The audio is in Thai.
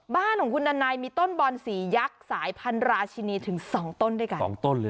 บ้านของคุณดันไนมีต้นบ่อนสียักษ์สายพันราชินีถึงสองต้นด้วยกัน